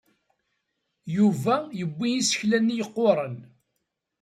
Yuba yebbi isekla-nni yeqquren.